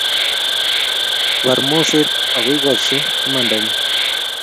Bar moset ako ikochi imandanyi